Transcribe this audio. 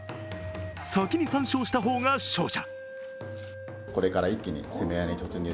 先に３勝した方が勝者。